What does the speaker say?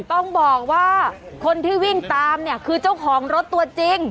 ต้องบอกว่าคนที่วิ่งตามเนี่ยคือเจ้าของรถตัวจริง